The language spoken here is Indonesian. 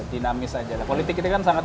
dinamis aja lah politik itu kan sangat